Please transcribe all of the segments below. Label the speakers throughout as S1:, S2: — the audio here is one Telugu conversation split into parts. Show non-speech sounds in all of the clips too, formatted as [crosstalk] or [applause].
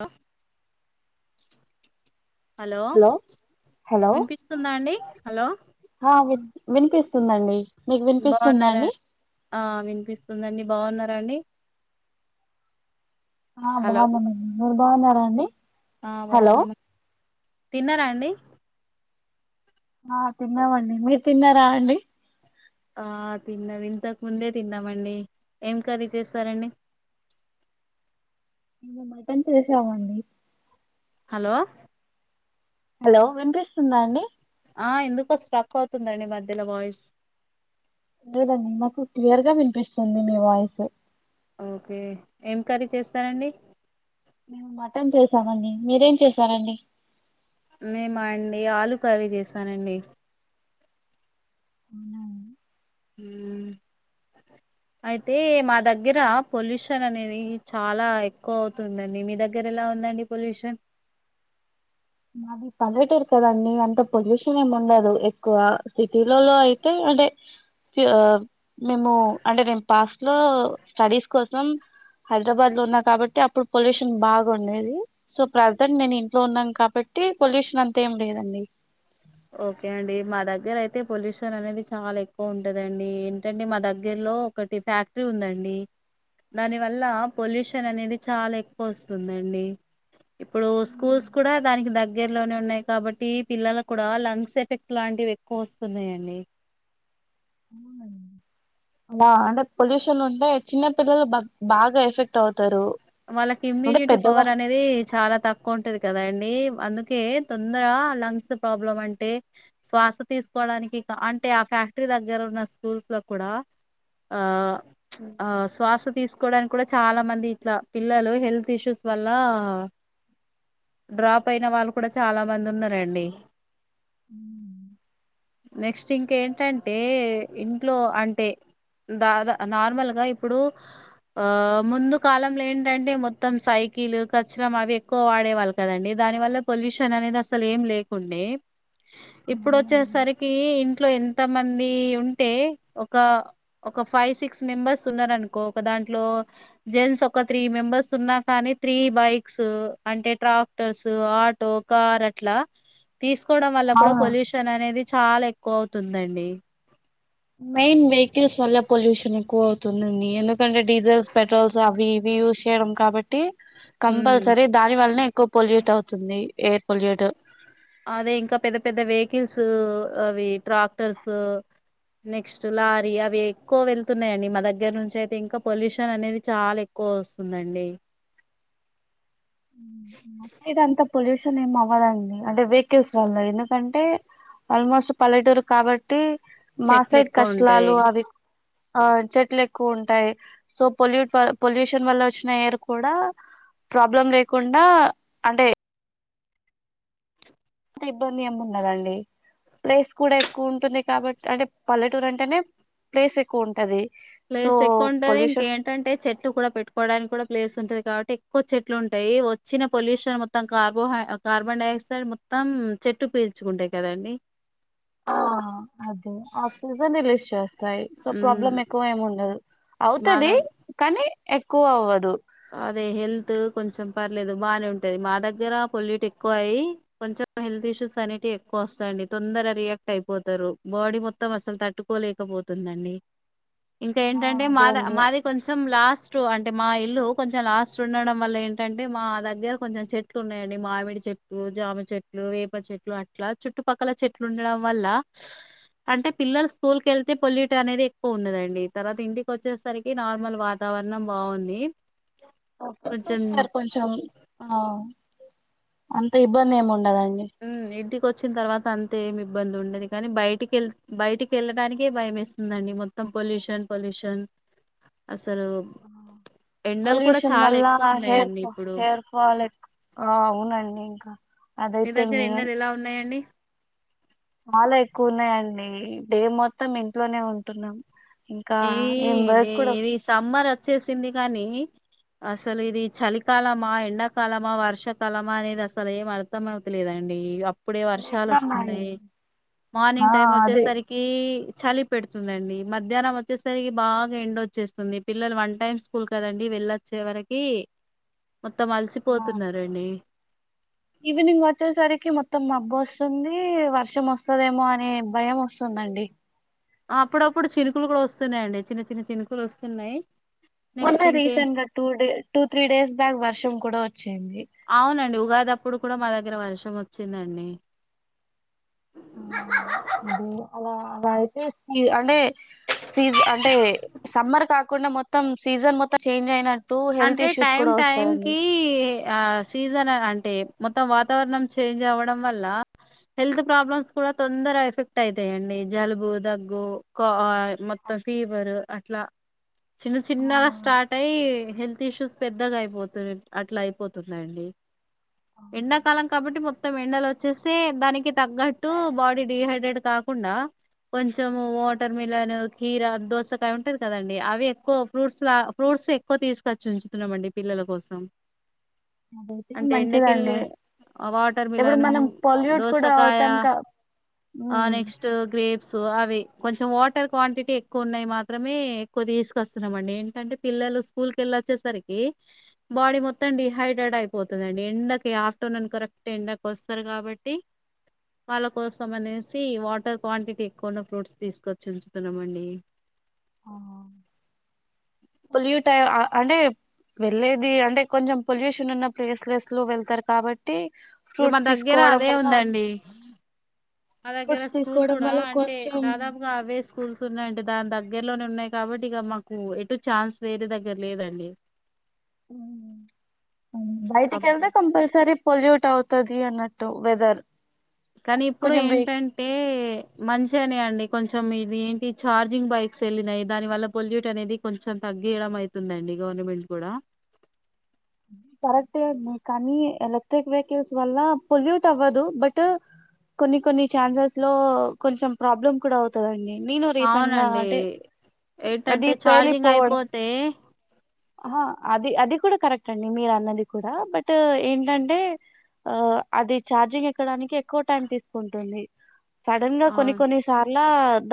S1: అ హలో
S2: హలో
S1: వినిపిస్తుందా అండి హలో
S2: ఆ విన్ వినిపిస్తుందండి మీకు వినిపిస్తుందా
S1: బాగున్నారా
S2: అండి
S1: ఆ వినిపిస్తుందండి బాగున్నారా అండి
S2: ఆ
S1: హలో
S2: బాగున్నానండి మీరు బాగున్నారా అండి
S1: ఆ
S2: హలో
S1: బాగున్నమన్ తిన్నార అన్ అండి
S2: ఆ తిన్నమండి మీర్ తిన్నారా అండి
S1: ఆ తిన్నది ఇంతకు ముందే తిన్నామండి ఏం కర్రీ చేసారండి
S2: మేము మటన్ చేసామండి
S1: హలో
S2: హలో వినిపిస్తుందా అండి
S1: ఆ ఎందుకో స్టక్ అవుతుందండి మధ్యలో వాయిస్
S2: లేదండి మాకు క్లియర్ గా వినిపిస్తుంది మీ వాయిస్
S1: ఓకే ఏం కర్రీ చేస్తారండి
S2: మేము మటన్ చేసామండి మీరేం చేసారండి
S1: మేమా అండి ఆలు కర్రీ చేసానండి
S2: అవునా అండి
S1: హ్మ్ అయితే మా దగ్గర పొల్యూషన్ అనేది చాలా ఎక్కువ అవుతుందండి మీ దగ్గర ఎలా ఉందండి పొల్యూషన్
S2: మాది పల్లెటూరు కదండి అంత పొల్యూషన్ ఏమి ఉండదు ఎక్కువ సిటీ లోలో అయితే అంటే మేము అంటే నేను పాస్ట్ లో స్టడీస్ కోసం హైదరాబాద్ లో ఉన్నా కాబట్టి అప్పుడు పొల్యూషన్ బాగుండేది సో ప్రజెంట్ నేను ఇంట్లో ఉన్నాను కా బట్టి పొల్యూషన్ అంతా ఏం లేదండి
S1: ఓకే అండి మా దగ్గర అయితే పొల్యూషన్ అనేది చాలా ఎక్కువ ఉంటదండి ఏంటంటే మా దగ్గరలో ఒకటి ఫ్యాక్టరీ ఉందండి దానివల్ల పొల్యూషన్ అనేది చాలా ఎక్కువ వస్తుందండి ఇప్పుడు స్కూల్స్ కూడా దానికి దగ్గరలోనే ఉన్నాయి కాబట్టి పిల్లల కూడా లంగ్స్ ఎఫెక్ట్ లాంటివి ఎక్కువ వస్తున్నాయండి
S2: బా అంటే పొల్యూషన్ అంటే చిన్న పిల్లలు బగ్ బాగా ఎఫెక్ట్ అవు
S1: వాళ్ళకి ఇమ్యూనిటీ పవర్ అనేది చాలా తక్కువ ఉంటది కదా అన్ టే అందుకే తొందర లంగ్స్ ప్రాబ్లం అంటే శ్వాస తీసుకోవడానికి అంటే ఆ ఫ్యాక్టరీ దగ్గర ఉన్న స్కూల్స్ లో కూడా ఆ ఆ శ్వాస తీసు కోవడానికి కూడా చాలా మంది ఇట్లా పిల్లలు హెల్త్ ఇష్యూస్ వల్ల డ్రాప్ అయిన వాళ్ళు కూడా చాలా మంది ఉన్నారండి నెక్స్ట్ ఇంకేంటంటే ఇంట్లో అంటే దాదా నార్మల్గా ఇప్పుడు ముందు కాలం లేన్ ఏంటంటే మొత్తం సైకిల్ కచరం అవి ఎక్కువ వాడేవాళ్ళు కదండి దాని వల్ల పొల్యూషన్ అనేది అసలు ఏం లేకుండే ఇప్పుడు
S2: అవునండి
S1: వచ్చేసరికి ఇంట్లో ఎంత మంది ఉంటే ఒక ఒక ఫైవ్ సిక్స్ మెంబర్స్ ఉన్నరు అనుకో ఒక దాంట్లో జెంట్స్ ఒక త్రీ మెంబర్స్ ఉన్నా కానీ త్రీ బైక్స్ అంటే ట్రాక్టర్స్ ఆటో కార్ అట్లా తీసుకోవడం వల్ల కూడా
S2: అవును
S1: పొల్యూషన్ అనేది చాలా ఎక్కువ అవుతుందండి
S2: మెయిన్ వెహికల్స్ వళ్ళ పొల్యూషన్ ఎక్కువ అవు అతుందండి ఎందుకంటే డీజిల్స్ పెట్రోల్స్ అవి ఇవి యూజ్ చేయడం కాబట్టి
S1: ఉమ్
S2: కంపల్సరీ దాని వల్లనే ఎక్కువ పొల్యూట్ అవుతుంది ఎయిర్ పొల్యూట్
S1: అదే ఇంకా పెద్ద పెద్ద వెహికల్స్ అవి ట్రాక్టర్స్ నెక్స్ట్ లారీ అవి ఎక్కువ వెళ్తున్నాయంండి మా దగ్గర నుంచి అయితే ఇంకా పొల్యూషన్ అనేది చాలా ఎక్కువ వస్తుందండి
S2: మా సైడ్ అంత పొల్యూషన్ ఏం అవదు అండి అంటే సు వాళ్ళు ఎందుకంటే ఆల్మోస్ట్ పల్లెటూరు కాబట్టి
S1: చెట్లు
S2: మాసైడ్
S1: ఎక్కువ ఉంటాయి
S2: కష్లాలు అవి ఆ చెట్లు ఎక్కువ ఉంటాయి సో పొల్యూట్ పొల్యూషన్ వల్ల వచ్చిన ఎయిర్ కూడా ప్రాబ్లం లే కుండా అంటే అంత ఇబ్బంది ఏ ఉన్నదండి ప్లేస్ కూడా ఎక్కువ ఉంటుంది కాబట్టి అంటే పల్లెటూరు అంటేనే ప్లేస్ ఎక్కువ ఉంటది సో
S1: ప్లేస్ ఎక్కువ ఉంటది
S2: పొల్యూషన్
S1: ఇంకేంటంటే చెట్లు కూడా పెట్టుకోవడానికి కూడా ప్లేస్ ఉంటది కాబట్టి ఎక్కువ చెట్లు ఉంటాయి వచ్చిన పొల్యూషన్ మొత్తం కార్బోహై కార్బన్ డైఆక్సైడ్ మొత్తం చెట్టు పీల్చుకుంటాయి కదండి
S2: ఆ అదే ఆ సీజన్ ను వేస్ట్ చేస్తారు యి సో
S1: ఉమ్
S2: ప్రాబ్లమ్ ఎక్కువ ఏమి ఉండ
S1: మా
S2: అవుతది
S1: దగ్
S2: కానీ ఎక్కువ అవ్వదు
S1: అదే హెల్త్ కొంచెం పర్లేదు బాగానే ఉంటుంది మా దగ్గర పొల్యూట్ ఎక్కువ అయ్య కొంచెం హెల్త్ ఇష్యూస్ అనేటివి ఎక్కువ వస్తాందిండి తొందర రియాక్ట్ అయిపోతారు బాడీ మొత్తం అస్సలు తట్టుకోలేకపోతుందండి ఇంకా
S2: ఆ
S1: ఏంటంటే
S2: అదే
S1: మాది
S2: అండి
S1: మాది కొంచెం లాస్ట్ టు అంటే మా ఇల్లు కొంచెం లాస్ట్ ఉండడం వల్ల ఏంటంటే మా దగ్గర కొంచెం చెట్లు ఉన్నాయంండి మామిడి చెట్లు జామ చెట్లు వేప చెట్లు అట్లా చుట్టుపక్కల చెట్లు ఉండడం వల్ల అంటే పిల్లలు స్కూల్ క వెళ్తే పొల్యూట్ అనేది ఎక్కువ ఉన్నదండి తర్వాత ఇంటికి వచ్చేసరికి నార్మల్ వాతావరణం బాగుంది కొంచెం
S2: ర్ కొంచం ఆ అంత ఇబ్బంది ఏం ఉండదం
S1: మ్ ఇంటికి వచ్చిన తర్వాత అంతే మీ ఇబ్బంది ఉండదు కానీ బయటికిళ్ బయటికి వెళ్ళడానికే భయం ఇస్తుందండి మొత్తం పొల్యూషన్ పొల్యూషన్ అసలు ఎండలు కూడా
S2: పొల్యూషన్
S1: చాలా
S2: వల్ల
S1: ఎక్కువ
S2: హెయిర్
S1: ఉన్నాయంండి ఇప్పుడు
S2: హెయిర్ ఫాల్ ఆ అవునండి ఇంకా
S1: మీ
S2: అదైతే
S1: దగ్గర
S2: మెయిన్
S1: ఎండలు ఎలా ఉన్నాయండి
S2: చాలా ఎక్కువ ఉన్నాయంండి ే మొత్తం ఇంట్లోనే ఉంటున్నాం ఇంకా ఏం వర్క్ కూడా
S1: ఈది సమ్మర్ వచ్చేసింది కానీ అసలు ఇది చలికాలమా ఎండాకాలమా వర్షాకాలమా అనేది అసలు ఏం అర్థం అవుతలేదండి ఇప్పుడే వర్షాలు
S2: నిజమా అండి.
S1: వస్తున్నాయి
S2: ఆ
S1: మార్నింగ్ టైం
S2: అదే
S1: వచ్చేసరికి చలి పెడుతుందండి మధ్యాహ్నం వ చ్చేసరికి బాగా ఎండోచ్చేస్తుంది పిల్లలు వన్ టైమ్ స్కూల్ కదండి వెళ్ళొచ్చే వరకి మొత్తం
S2: ఆ
S1: అలసిపోతున్నారండి
S2: ఈవినింగ్ వచ్చేసరికి మొత్తం మబ్బు వస్తుంది వర్షం వస్తుదేమో అని భయం వస్తుందండి
S1: అప్పుడప్పుడు చినుకులు కూడా వస్తున్నాయండి చిన్న చిన్న చినుకులు వస్తున్నాయి
S2: మొన్న
S1: నెక్స్ట్ ఇంకే
S2: రీసెంట్ గా two day two three days back వర్షం కూడా వచ్చింది
S1: ఇప్పుడు కూడా మా దగ్గర వర్షం వచ్చిందండి
S2: ఆ అదే అలా పై పేస్ [unintelligible] సీజ్ అంటే సమ్మర్ కాకుండా మొత్ త్తం మొత్తం సీజన్ మొత్తం చేంజ్ అయిన
S1: అంటే టైమ్ టైమ్ కి ఆ సీజన్ అననంటే మొత్తం వాతావరణం చేంజ్ అవ్వడం వల్ల హెల్త్ ప్రాబ్లమ్స్ కూడా తొందర ఎఫెక్ట్ ఐతాయండి జలుబు దగ్గు కో మొత్తం ఫీవర్ అ ట్లా చిన్న
S2: ఆ
S1: చిన్నగా స్టార్ట్ అయి హెల్త్ ఇష్యూస్ పెద్దగా అయిపోతు అట్లా అయిపోతున్నాయండి
S2: అవును
S1: ఎండాకాలం కాబట్టి మొత్ త్తం ఎండలు వచ్చేస్తే దానికి తగ్గట్టు బాడీ డిహైడ్రేట్ కాకుండా కొంచెం వాటర్ మిలన్ కీర దోసకాయ ఉంటది కదండి అవి ఎక్కువ ఫ్రూట్స్ లా ఫ్రూట్స్ ఎక్కువ తీసు కచ్చి ఉంచుతున్నామండి పిల్లల కోసం
S2: అదైతే
S1: అంటే ఎండ కెల్లె
S2: మంచిదండి
S1: వాటర్
S2: ఇప్పుడు
S1: మిలన్
S2: మనం పొల్యూట్ కూడా
S1: దోసకాయ
S2: అవుతాం క
S1: ఆ
S2: మ్మ్
S1: నెక్స్ట్ గ్రేప్స్ తు అవి కొంచెం వాటర్ క్వాంటిటీ ఎక్కువ ఉన్నాయి మాత్రమే ఎక్కువ తీసుకొస్తున్నాం అండి ఏంటంటే పిల్లలు స్కూల్ ల్ల వచ్చేసరికి బాడీ మొత్తం డిహైడ్రేట్ అయిపోతుందండి ఎండకి ఆఫ్టర్నూన్ కరెక్ట్ ఎండకి వస్తారు కాబట్టి వాళ్ళ కోసం అనేసి వాటర్ క్వాంటిటీ ఎక్కువున్న ఫ్రూట్స్ తీసుకొచ్చి ఉంచుతున్నాం అండి
S2: ఆ, పొల్యూట్ అయ్ అ అంటే వెళ్లేేది అంటే కొంచెం పొల్యూషన్ ఉన్న ప్లేస్ లెస్ లో వెళ్తారు కాబ
S1: ఇక మన దగ్గర అదే ఉందండి మా దగ్గర స్కూల్ కూడా అంటే దాదాపుగా అవే స్కూల్స్ ఉన్నాయంటే దాని దగ్ గ్గరలోనే ఉన్నాయి కాబట్టి ఇక మాకు ఎటు ఛాన్స్ వేరే దగ్గర లేదండి
S2: బయటికెళ్తే కంపల్సరీ పొల్యూట్ అవుతాది అన్నట్టు వెదర్
S1: కానీ ఇప్పుడు
S2: కొంచెం వె
S1: ఏంటంటే మంచిగానే అండి కొంచెం ఇది ఏంటి ఛార్జింగ్ బైక్స్ వెళ్ళినాయి దాని వల్ల పొల్యూట్ అనేది కొంచెం తగ్గియడం అవుతుందండి గవర్నమెంట్ కూడా
S2: కరెక్టే అండి కానీ ఎలక్ట్రిక్ వెహికల్స్ వల్ల పొల్యూట్ అవ్వదు బట్ కొన్ని కొన్ని ఛాన్సెస్ లో కొంచెం ప్రాబ్లమ్ కూడా అవుతదండి నేను రీసెంట్ గా
S1: అవునండి
S2: అంటే అది
S1: ఏంటంటే ఛార్జింగ్
S2: పేలిపోవడం
S1: అయిపోతే
S2: అది అది కూడా కరెక్ట్ అండి మీరన్నది కూడా బట్ ఏంటంటే ఆ అది చార్జింగ్ ఎక్కడానికి ఎక్కువ టైం తీసుకుంటుంది సడన్ గా
S1: అవు
S2: కొన్ని కొన్ని సార్ల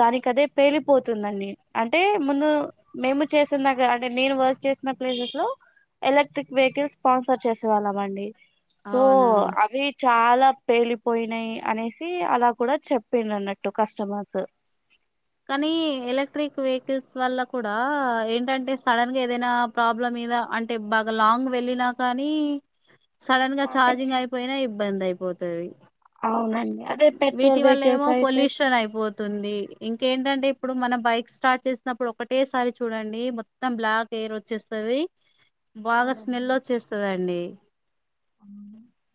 S2: దానికదే పేలిపోతుందండి అంటే ముందు మేము చేసేందాక అంటే నేను వర్క్ చేసి ఉన్న ప్లేసెస్ లో ఎలక్ట్రిక్ వెహికల్ స్పాన్సర్ చేసే వాళ్ళం అండి సో
S1: అవునా
S2: అవి చాలా పేలిపోయినాయి అనేసి అలా కూడా చెప్పింది అన్నట్టు కస్టమర్స్
S1: కానీ ఎలక్ట్రిక్ వెహికల్స్ వల్ల కూడా, ఏంటంటే సడన్ గా ఏదైనా ప్రాబ్లం మీద అంటే బాగా లాంగ్ వెళ్ళినా కానీ సడన్ గా ఛార్జింగ్ అయిపోయినా ఇబ్బంది అయి పోతది
S2: అవునండి అదే
S1: వీటి
S2: పెట్రోల్
S1: వల్ల ఏమో
S2: వెహికల్స్ అయితే
S1: పొల్యూషన్ అయిపోతుంది ఇంకేంటంటే అంటే ఇప్పుడు మనం బైక్ స్టార్ట్ చేసినప్పుడు ఒకటేసారి చూడండి మొత్తం బ్లాక్ ఎయిర్ వచ్చేస్తది బాగా
S2: అవునండి.
S1: స్మెల్ వచ్చేస్తుందండి మ్మ్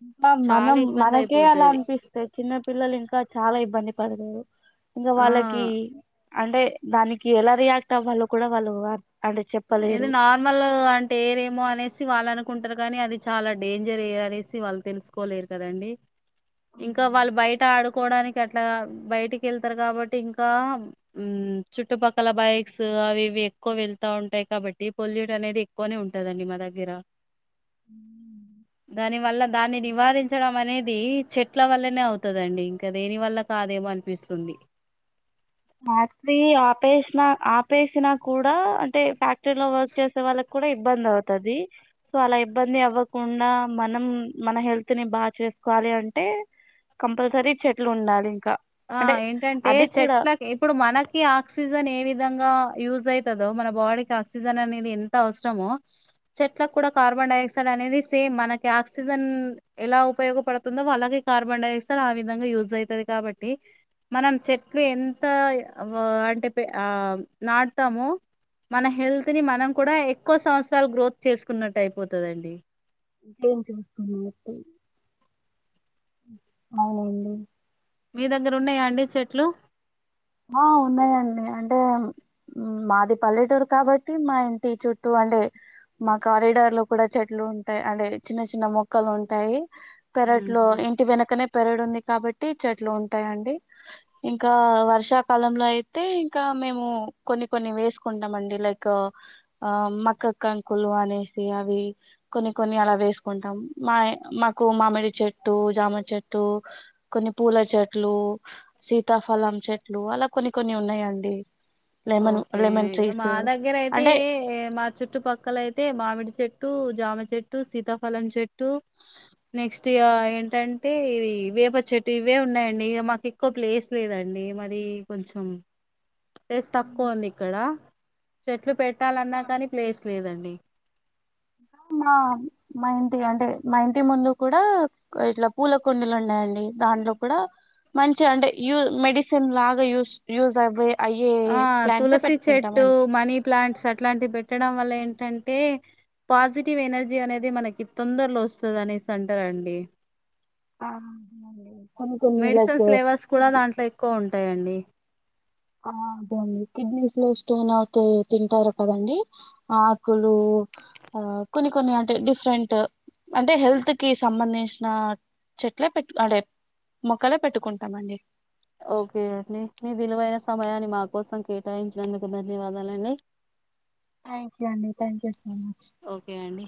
S2: ఇంకా మనం
S1: ఇబ్బంది
S2: మనకే అలా
S1: అయిపోతది
S2: అనిపిస్తే చిన్న పిల్లలు ఇంకా చాలా ఇబ్బంది పడతారు ఇంగ
S1: ఆ
S2: వాళ్ళకి అంటే దానికి ఎలా రియాక్టవ్వాలో కూడా వాళ్ళు వ
S1: ఏదిో నార్మల్ గ అంటే ఏరేమో అనేసి వాళ్ళ అనుకు కుంటారు కానీ అది చాలా డేంజర్ ఏ అనేసి వాళ్ళు తెలుసుకోలేరు కదండి ఇంకా వాళ్ళు బయట ఆడు కోడానికి అట్లా బయటికి వెళ్తారు కాబట్టి ఇంకా మ్మ్ చుట్టుపక్కల బైక్స్ అవి ఇవి ఎక్కువ వెళ్తా ఉంటా టాయి కాబట్టి పొల్యూట్ అనేది ఎక్కువనే ఉంటదండి మా దగ్గర దాని వల్ల దాన్ని నివారించడం అనేది చెట్ల వల్లనే అవుతందండి ఇంకా దేని వల్ల కాదేమో అనిపిస్తుంది
S2: ఫ్యాక్టరీ ఆపేసిన ఆపేసినా కూడా అంటే ఫ్యాక్టరీలో వర్క్ చేసే వాళ్ళకి కూడా ఇబ్బంది అవుతది సో అలా ఇబ్బంది అవ్వకుండా మనం మన హెల్త్ ని బాగా చేసుకోవాలి అంటే కంపల్సరీ చెట్లు ఉండాలి ఇంకా
S1: ఆ
S2: అంటే
S1: ఏంటంటే
S2: అది కూడా
S1: చెట్లక్ ఇప్పుడు మనకి ఆక్సిజన్ ఏ విధంగా యూజ్ అవుతుందో మన బాడీకి ఆక్సిజన్ అనేది ఎంత అవసరమో చెట్లక్ కార్బన్ డైఆక్సైడ్ అనేది సేమ్ మనకి ఆక్సిజన్ ఎలా ఉపయోగపడుతుందో వాళ్ళకి కార్బన్ డైఆక్సైడ్ ఆ విధంగా యూజ్ అవుతుంది కాబట్ టి మనం చెట్లు ఎంత అంటే ఆ నాటతామో మన హెల్త్ ని మనం కూడా ఎక్కువ సంవత్సరాలు గ్రోత్ చేసుకున్నట్ అయిపోతదండి
S2: ఇంకేం చూస్తున్న అవునండి
S1: మీ దగ్గర ఉన్నాయా అండి చెట్లు
S2: ఆ ఉన్నాయండి అం అంటే మాది పల్లెటూరు కాబట్టి మా ఇంటి చుట్టూ అంటే మా కారిడార్ లో కూడా చెట్లు ఉంటాయి అంటే చిన్న చిన్న మొక్కలు ఉంటాయి పెరట్ లో
S1: ఉహు
S2: ఇంటి వెనకనే పెరడ్ ఉంది కాబట్టి చెట్లు ఉంటాయండి ఇంకా వర్ష షా కాలంలో అయితే ఇంకా మేము కొన్ని కొన్ని వేసుకుంటాం అండి లైక్ ఆ మక్క కాంకులు అనేసి అవి కొన్ని కొన్ని అలా వేసుకుంటాం మా మాకు మామిడి చెట్టు జామ చెట్టు కొన్ని పూల చెట్లు సీతాఫలం చెట్ లు అల కొన్ని కొన్ని ఉన్నాయండి లెమన్
S1: ఓకే
S2: లెమన్
S1: మా
S2: ట్రీస్
S1: దగ్గర అయితే
S2: అంటే
S1: మా చుట్టుపక్కలయితే మామిడి చెట్టు జామ చెట్టు సీతాఫలం చెట్టు నెక్స్ట్ ఇగ ఏంటంటే ఇ వేప చెట్టు ఇవే ఉన్నాయండి ఇక మాకు ఎక్కువ ప్లేస్ లేదండి మరి కొంచెం ప్లేస్ తక్కువ ఉంది ఇక్కడ చెట్లు పెట్టాలన్నా కానీ ప్లేస్ లేదండి
S2: మా మా ఇంటి అంటే మా ఇంటి ముందు కూడా ఇట్లా పూల కుండీలు ఉన్నాయండి దాంట్లో కూడా మంచి అంటే యూ మెడిసిన్ లాగా యూస్ యూజ్ అవ్వే అయ్యే
S1: ఆ
S2: ప్లాంట్సే
S1: తులసి చెట్టు
S2: పెట్టుకుంటామండి
S1: మనీ ప్లాంట్స్ అట్లాంటివి పెట్టడం వల్ల ఏంటంటే పాజిటివ్ ఎనర్జీ అనేది మనకి తొందరలో వస్తుంది అనేసి అంటారు అండి
S2: ఆ అవునండి కొన్ని కొన్ని లైక్
S1: మెడిసిన్స్ ఫ్లేవర్స్ కూడా
S2: కిడ్నీ
S1: దాంట్లో ఎక్కువ ఉంటాయంండి
S2: ఆ అదే అండి కిడ్నీస్ లో స్టోన్ అయితే తింటారు కదండి ఆకులు ఆ కొన్ని కొన్ని అంటే డిఫరెంట్ అంటే హెల్త్ కి సంబంధించిన చెట్లే పెట్టు అంటే మొక్కలే పెట్టుకుంటామండి
S1: ఓకే అండి మీ విలువైన సమయాన్ని మా కోసం కేటాయించినందుకు ధన్యవాదాలండి
S2: థ్యాక్ యూ అండి thank you so much
S1: okay అండి